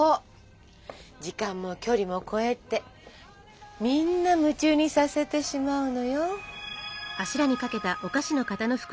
時間も距離も超えてみんな夢中にさせてしまうのよ。